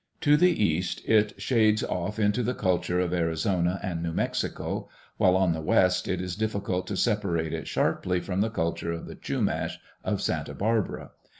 To the east it shades off into the culture of Arizona and New Mexico, while on the west it is difficult to separate it sharply from the culture of the Chumash of Santa Barbara.